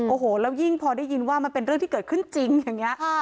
โอ้โหแล้วยิ่งพอได้ยินว่ามันเป็นเรื่องที่เกิดขึ้นจริงอย่างนี้